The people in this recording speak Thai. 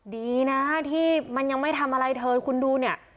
ดีนะที่มันยังไม่ทำอะไรเธอคุณดูเนี่ย